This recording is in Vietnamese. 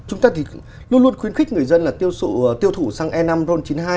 chúng ta thì luôn luôn khuyến khích người dân là tiêu thủ săng e năm hôn chín mươi hai